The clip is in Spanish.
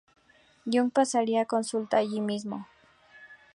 Jung pasaría consulta allí mismo.